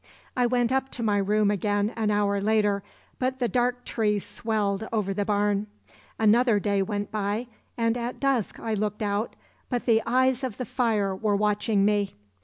"I went up to my room again an hour later, but the dark tree swelled over the barn. Another day went by, and at dusk I looked out, but the eyes of fire were watching me.